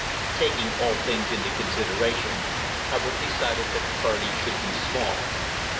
Taking all things into consideration, Hubbard decided that the party should be small.